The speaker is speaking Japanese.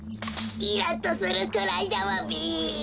イラッとするくらいだわべ。